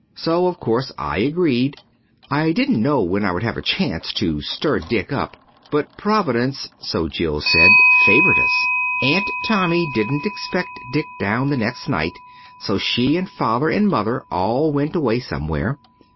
So of course I agreed. I didn't know when I would have a chance to stir Dick up, but Providence so Jill said favoured us. Aunt Tommy didn't expect Dick down the next night, so she and Father and Mother all went away somewhere.